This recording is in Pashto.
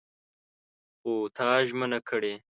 خو تا ژمنه کړې!